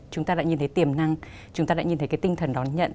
chúng ta đã nhìn thấy tiềm năng chúng ta đã nhìn thấy cái tinh thần đón nhận